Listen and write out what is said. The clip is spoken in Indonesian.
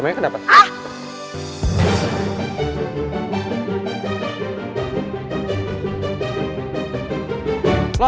nah itu aku tuh